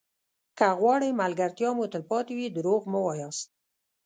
که غواړئ ملګرتیا مو تلپاتې وي دروغ مه وایاست.